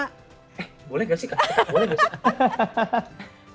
eh boleh gak sih kak